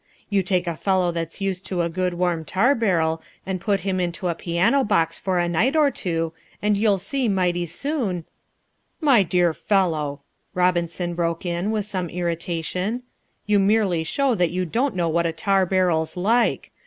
You take a fellow that's used to a good warm tar barrel and put him into a piano box for a night or two, and you'll see mighty soon " "My dear fellow," Robinson broke in with some irritation, "you merely show that you don't know what a tar barrel's like.